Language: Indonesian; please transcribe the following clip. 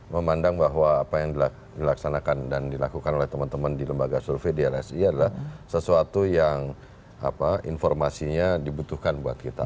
memandang bahwa apa yang dilaksanakan dan dilakukan oleh teman teman di lembaga survei di lsi adalah sesuatu yang informasinya dibutuhkan buat kita